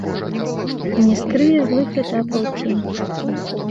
Не скрые злых этапаў цень.